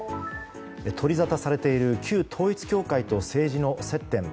取りざたされている旧統一教会と政治の接点。